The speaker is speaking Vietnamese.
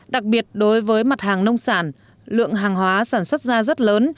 đặc biệt đối với mặt hàng nông sản lượng hàng hóa sản xuất ra rất lớn